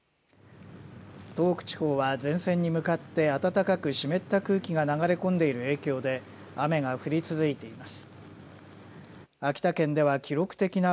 東北地方は前線に向かって暖かく湿った空気が流れ込んでいる影響で雨が降り続いています。